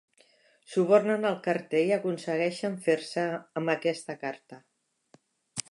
Subornen el carter i aconsegueixen fer-se amb aquesta carta.